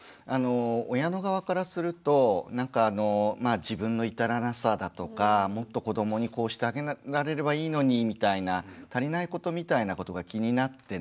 親の側からするとなんかあのまあ自分の至らなさだとかもっと子どもにこうしてあげられればいいのにみたいな足りないことみたいなことが気になってね